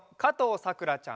さくらちゃん。